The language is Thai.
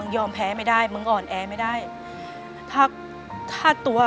เปลี่ยนเพลงเพลงเก่งของคุณและข้ามผิดได้๑คำ